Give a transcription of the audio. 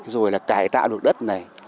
rồi là cải tạo được đất này